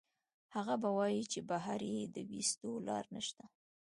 هغه به وائي چې بهر ئې د ويستو لار نشته